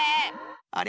あれ？